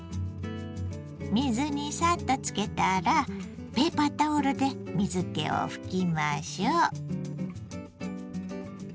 水にサッとつけたらペーパータオルで水けを拭きましょう。